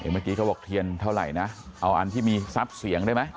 เมื่อกี้เขาบอกเทียนเท่าไหร่นะเอาอันที่มีทรัพย์เสียงได้ไหม